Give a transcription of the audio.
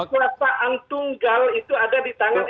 kekuasaan tunggal itu ada di tangan